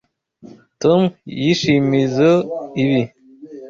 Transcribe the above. Tom yishimizoe ibi?